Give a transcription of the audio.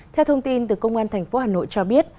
theo thông tin từ công an tp hà nội cho biết